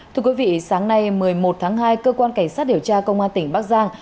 thưa quý vị sáng nay một mươi một tháng hai cơ quan cảnh sát điều tra công an tỉnh bắc giang